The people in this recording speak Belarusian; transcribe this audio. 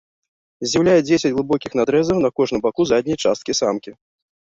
Здзіўляе дзесяць глыбокіх надрэзаў на кожным баку задняй часткі самкі.